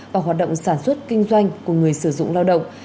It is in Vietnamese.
và hoạt động sản xuất kinh doanh của người sử dụng lao động